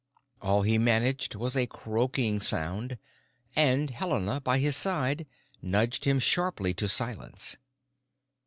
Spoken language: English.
All he managed was a croaking sound; and Helena, by his side, nudged him sharply to silence.